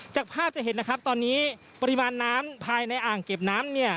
จากภาพจะเห็นนะครับตอนนี้ปริมาณน้ำภายในอ่างเก็บน้ำเนี่ย